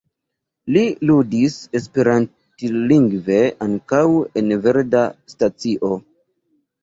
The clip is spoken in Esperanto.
Li ludis esperantlingve ankaŭ en Verda Stacio.